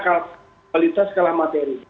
karena kualitas kalah materi